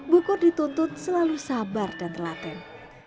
bu kur dituntut selalu sabar dan telaten